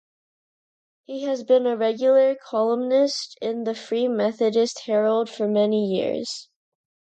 He has been a regular columnist in "The Free Methodist Herald" for many years.